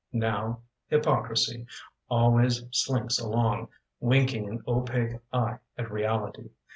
Now, Hypocrisy Always slinks along Winking an opaque eye at reality.